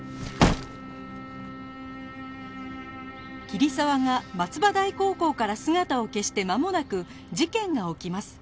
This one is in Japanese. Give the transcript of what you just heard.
桐沢が松葉台高校から姿を消して間もなく事件が起きます